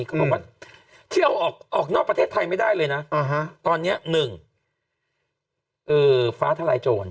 เขาบอกว่าที่เอาออกนอกประเทศไทยไม่ได้เลยนะตอนนี้๑ฟ้าทลายโจร